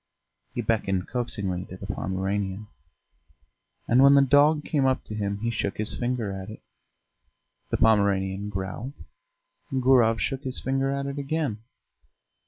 He beckoned coaxingly to the Pomeranian, and when the dog came up to him he shook his finger at it. The Pomeranian growled: Gurov shook his finger at it again.